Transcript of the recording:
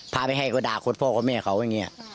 พระไม่ให้ก็ด่าพ่อแม่อย่างเนี่ย